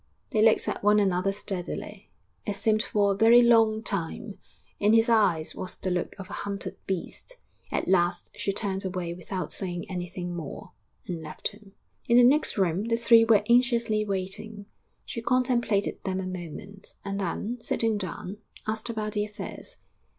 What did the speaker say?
They looked at one another steadily, it seemed for a very long time; in his eyes was the look of a hunted beast.... At last she turned away without saying anything more, and left him. In the next room the three were anxiously waiting. She contemplated them a moment, and then, sitting down, asked about the affairs.